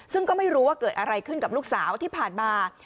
ซึ่งก็ไม่รู้ว่าเกิดอะไรขึ้นกับลูกสาวที่ผ่านมา